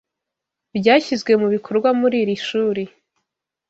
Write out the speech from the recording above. byashyizwe mubikorwa muri iri shuri